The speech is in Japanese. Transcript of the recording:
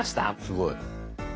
すごい。